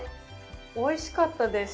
おいしかったです。